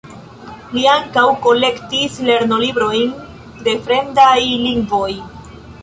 Li ankaŭ kolektis lernolibrojn de fremdaj lingvoj.